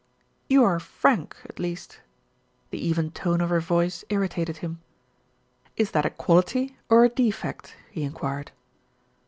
"You are frank, at least." The even tone of her voice irritated him. "Is that a quality or a defect?" he enquired.